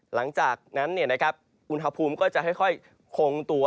หลังจากนั้นอุณหภูมิก็จะค่อยคงตัว